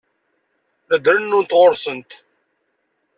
La d-rennunt sɣur-sent.